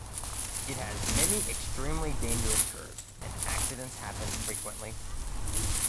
It has many extremely dangerous curves, and accidents happen frequently.